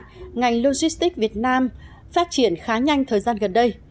tổng số doanh nghiệp logistics việt nam phát triển khá nhanh thời gian gần đây